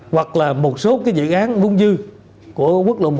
hoặc là một số cái dự án vung dư của quốc lộ một